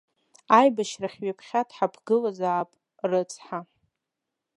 Аибашьрахь ҩаԥхьа дҳаԥгылозаап, рыцҳа!